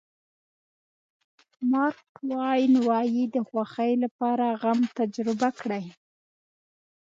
مارک ټواین وایي د خوښۍ لپاره غم تجربه کړئ.